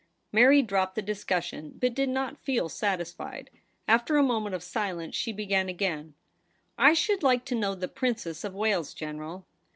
Mary dropped the discussion, but did not feel satisfied. After a moment of silence, she began again :' I should like to know the Princess of Wales, General.'